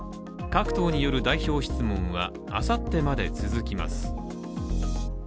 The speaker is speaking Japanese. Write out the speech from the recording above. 各党による代表質問はあさってまで続きます。